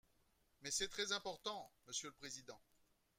Mais c’est très important, monsieur le président